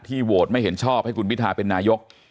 โหวตไม่เห็นชอบให้คุณพิทาเป็นนายก